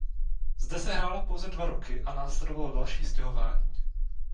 Zde se hrálo pouze dva roky a následovalo další stěhování.